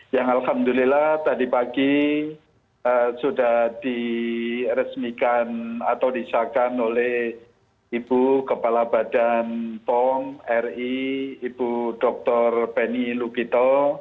yang alhamdulillah tadi pagi sudah diresmikan atau disahkan oleh ibu kepala badan pom ri ibu dr beni lukito